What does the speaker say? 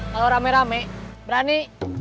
kalau rame rame berani